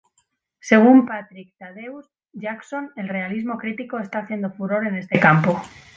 Según Patrick Thaddeus Jackson el realismo crítico está haciendo furor en este campo.